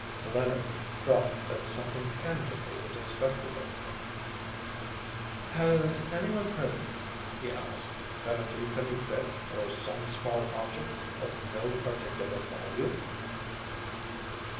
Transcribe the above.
Leonard felt that something tangible was expected of him. “Has anyone present,‚ÄĚ he asked, “got a three penny bit or some small object of no particular value‚ÄĒ?